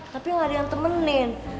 tapi gak ada yang temenin